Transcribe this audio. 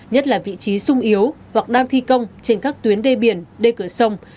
nhất là vị trí sung yếu hoặc đang thi công trên các tuyến đê biển đê cửa sông